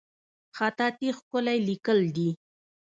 خطاطي ښکلی لیکل دي